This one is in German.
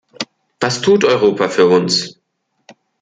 Was tut Europa für uns?